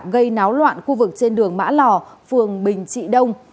gây náo loạn khu vực trên đường mã lò phường bình trị đông